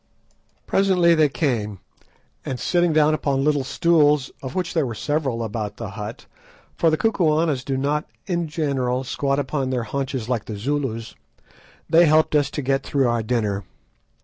Presently they came, and sitting down upon little stools, of which there were several about the hut, for the Kukuanas do not in general squat upon their haunches like the Zulus, they helped us to get through our dinner.